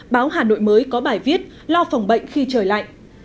báo hà nội mới có bài viết lo phòng bệnh khi trời lạnh